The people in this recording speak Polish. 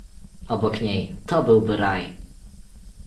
"obok niej, to byłby raj!"